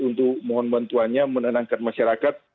untuk mohon bantuannya menenangkan masyarakat